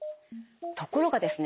ところがですね